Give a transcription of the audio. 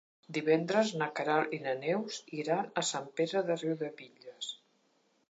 Divendres na Queralt i na Neus iran a Sant Pere de Riudebitlles.